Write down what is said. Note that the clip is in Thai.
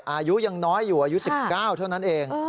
อายุยังน้อยอยู่อายุ๑๙เท่านั้นเอง